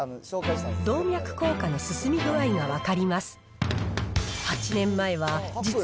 動脈硬化の進み具合が分かります。